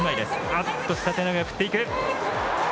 あっと下手投げ、振っていく。